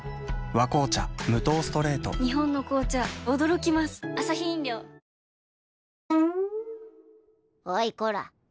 おいこら